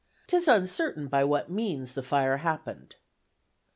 'Tis uncertain by what Means the Fire happen'd."